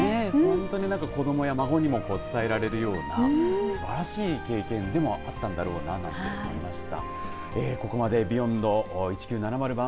子どもや孫にも伝えられるようなすばらしい経験でもあったんだろうななんて思いました。